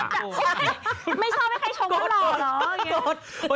ไม่ชอบให้ใครชมเขาหรอ